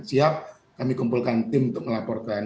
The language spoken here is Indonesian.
siap kami kumpulkan tim untuk melaporkan